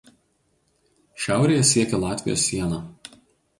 Šiaurėje siekia Latvijos sieną.